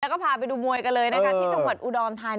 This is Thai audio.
แล้วก็พาไปดูมวยกันเลยนะคะที่สมบัติอุดอมธานี